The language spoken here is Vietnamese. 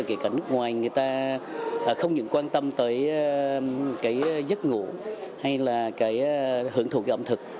kể cả nước ngoài người ta không những quan tâm tới giấc ngủ hay là hưởng thụ ẩm thực